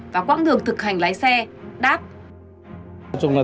và quãng đường thực hành lái xe đáp